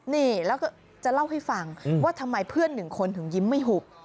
นี่แล้วก็จะเล่าให้ฟังว่าทำไมเพื่อนหนึ่งคนถึงยิ้มไม่หุบ